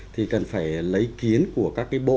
thì cần phải lấy kiến của các cái bộ